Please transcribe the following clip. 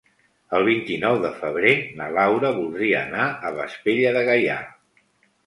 El vint-i-nou de febrer na Laura voldria anar a Vespella de Gaià.